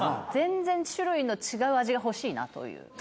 全然種類の違う味が欲しいなという。